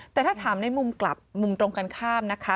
แต่ถ้าถามในมุมกลับมุมตรงกันข้ามนะคะ